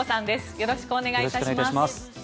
よろしくお願いします。